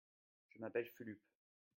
Je m'appelle Fulup.